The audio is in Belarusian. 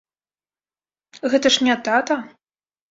Гэта ж не тата!